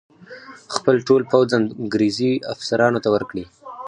خپل ټول پوځ انګرېزي افسرانو ته ورکړي.